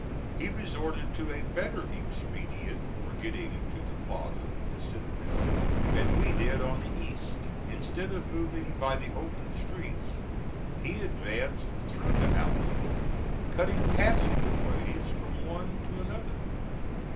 He resorted to a better expedient for getting to the plaza the citadel than we did on the east. Instead of moving by the open streets, he advanced through the houses, cutting passageways from one to another.